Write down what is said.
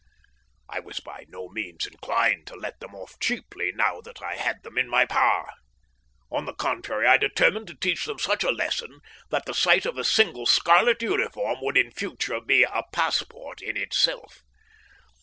I was by no means inclined to let them off cheaply now that I had them in my power. On the contrary, I determined to teach them such a lesson that the sight of a single scarlet uniform would in future be a passport in itself.